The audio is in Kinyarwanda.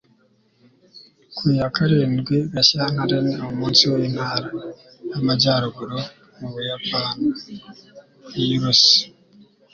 ku ya karindwi gashyantare ni umunsi w'intara y'amajyaruguru mu buyapani. (yurusu